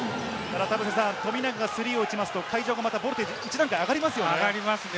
富永がスリーを打ちますと会場のボルテージ、一段上がりますね。